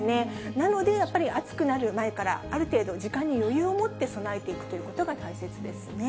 なので、やっぱり暑くなる前から、ある程度、時間に余裕を持って備えていくということが大切ですね。